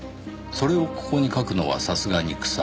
「それをココに書くのはさすがに草」